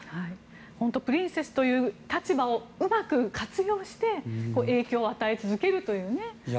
プリンセスという立場をうまく活用して影響を与え続けるというね。